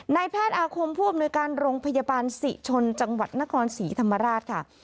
นายแพทย์อาคมผู้อำนวยการโรงพยาบาลศรีชนจังหวัดนครศรีธรรมราชค่ะ